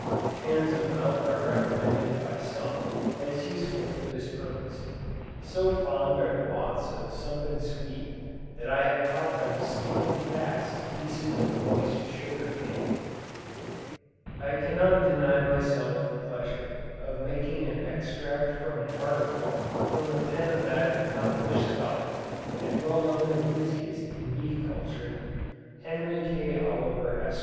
Pans of milk are recommended by some as useful for this purpose. So fond are the moths of something sweet, that I have caught them sticking fast to pieces of moist sugar candy. I cannot deny myself the pleasure of making an extract from an article from the pen of that accomplished scholar, and well known enthusiast in bee culture, Henry K. Oliver, Esq.